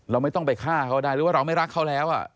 เราไม่ต้องไปฆ่าเขาได้หรือว่าเราไม่รักเขาแล้ว